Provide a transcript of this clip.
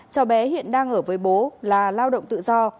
cháu bé hiện đang ở với bố là lao động tự do